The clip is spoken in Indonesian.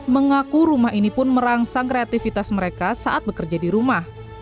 mengaku rumah ini pun merangsang kreatifitas mereka saat bekerja di rumah